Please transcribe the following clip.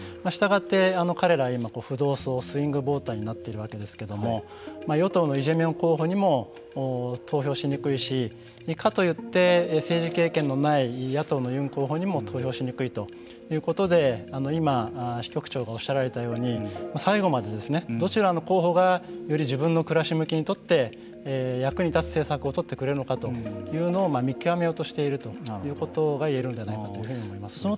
したがって、彼らは浮動層になっているわけですけれども与党のイ・ジェミョン候補にも投票しにくいしかといって、政治経験のない野党のユン候補にも投票しにくいということで今、支局長がおっしゃられたように最後まで、どちらの候補がより自分の暮らし向きにとって役に立つ政策を取ってくれるのかということを見極めようとしているということが言えるんではないと思います。